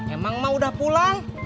emang mak udah pulang